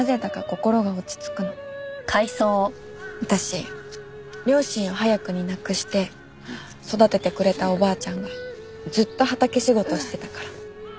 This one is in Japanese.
私両親を早くに亡くして育ててくれたおばあちゃんがずっと畑仕事してたから。